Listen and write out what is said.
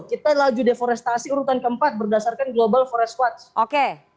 kita laju deforestasi urutan keempat berdasarkan global forest watch